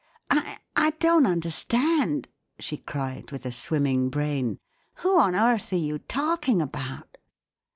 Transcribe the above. " I—I don't understand," she cried, with a swim¬ ming brain. "Who on earth are you talking about